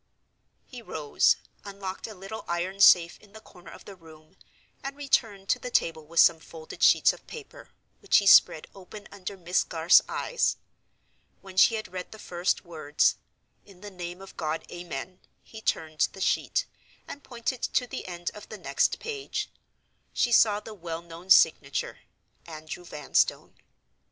He rose; unlocked a little iron safe in the corner of the room; and returned to the table with some folded sheets of paper, which he spread open under Miss Garth's eyes. When she had read the first words, "In the name of God, Amen," he turned the sheet, and pointed to the end of the next page. She saw the well known signature: "Andrew Vanstone."